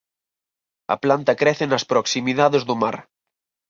A planta crece nas proximidades do mar.